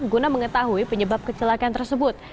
guna mengetahui penyebab kecelakaan tersebut